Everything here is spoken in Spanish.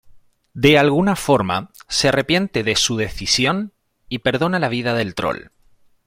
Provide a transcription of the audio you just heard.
De alguna forma se arrepiente de su decisión y perdona la vida del trol.